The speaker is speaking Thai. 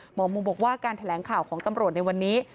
หมอมูบอกว่าการแถลงข่าวของตำรวจในวันนี้